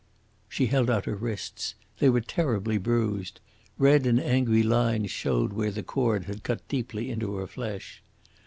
She held out her wrists. They were terribly bruised. Red and angry lines showed where the cord had cut deeply into her flesh.